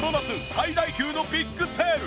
最大級のビッグセール！！